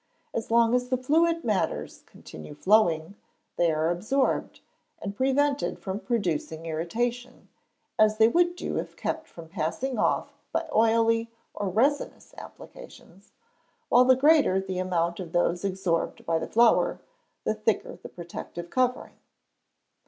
As long as the fluid matters continue flowing, they are absorbed, and prevented from producing irritation, as they would do if kept from passing off by oily or resinous applications, while the greater the amount of those absorbed by the flour, the thicker the protective covering.